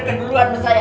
tunggu duluan saya